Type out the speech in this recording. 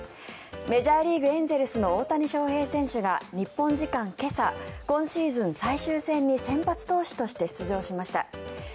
メジャーリーグ、エンゼルスの大谷翔平選手が日本時間今朝今シーズン最終戦に先発投手として出場しました。